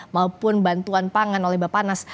maupun bantuan pangan oleh bapak nas